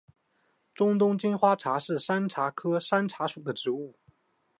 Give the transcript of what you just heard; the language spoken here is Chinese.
中东金花茶是山茶科山茶属的植物。